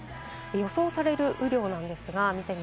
予想される雨量です。